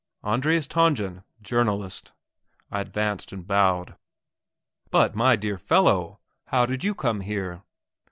"Andreas Tangen journalist." I advanced and bowed. "But, my dear fellow, how did you come here?"